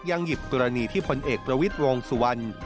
หยิบกรณีที่พลเอกประวิทย์วงสุวรรณ